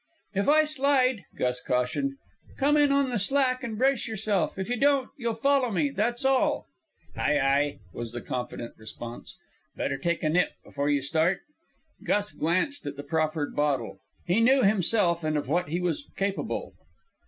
"If I slide," Gus cautioned, "come in on the slack and brace yourself. If you don't, you'll follow me, that's all!" "Ay, ay!" was the confident response. "Better take a nip before you start?" Gus glanced at the proffered bottle. He knew himself and of what he was capable.